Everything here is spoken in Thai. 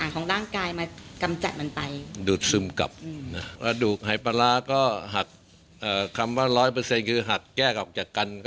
กระดูกหายปลาร้าก็หักคำว่า๑๐๐คือหักแก้ออกจากกัน